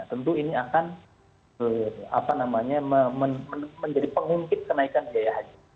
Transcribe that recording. tentu ini akan menjadi pengungkit kenaikan biaya haji